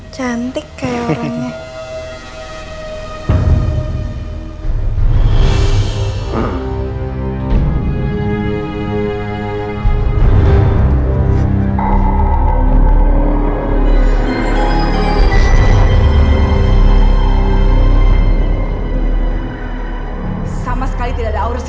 cantik kayak orangnya